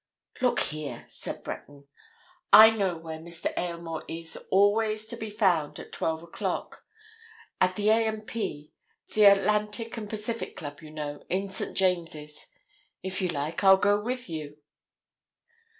"Look here," said Breton. "I know where Mr. Aylmore is always to be found at twelve o'clock. At the A. and P.—the Atlantic and Pacific Club, you know, in St. James's. If you like, I'll go with you."